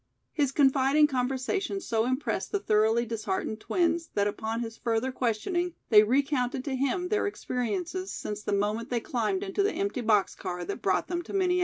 His confiding conversation so impressed the thoroughly disheartened twins that upon his further questioning, they recounted to him their experiences since the moment they climbed into the empty box car that brought them to Minneapolis.